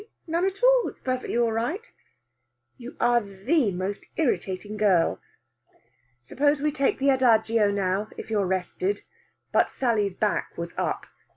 None at all. It's all perfectly right." "You are the most irritating girl." "Suppose we take the adagio now if you're rested." But Sally's back was up.